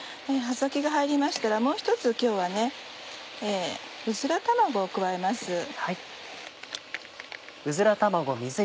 葉先が入りましたらもう１つ今日はうずら卵を加えます。